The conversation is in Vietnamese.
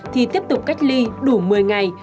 thì tiếp tục cách ly đủ một mươi ngày